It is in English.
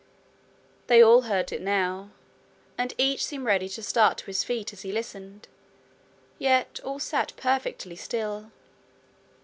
They all heard it now, and each seemed ready to start to his feet as he listened. Yet all sat perfectly still.